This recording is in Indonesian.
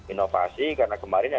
inovasi karena kemarin